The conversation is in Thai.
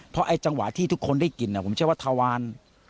เพราะไอ้จังหวะที่ทุกคนได้กินผมเชื่อว่าทวาร